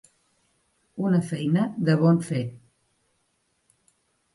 Una feina de bon fer.